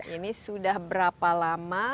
ini sudah berapa lama